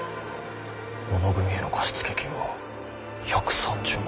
小野組への貸付金は１３０万。